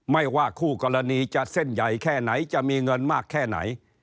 ไม่ว่าคู่กรณีจะเส้นใหญ่แค่ไหนจะมีเงินมากแค่ไหน